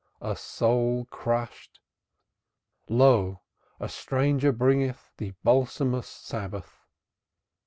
A soul crushed! Lo a stranger Bringeth the balsamous Sabbath.